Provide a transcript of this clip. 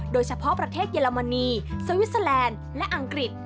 โดยเฉพาะประเทศเยอรมนีสวิสเตอร์แลนด์และอังกฤษ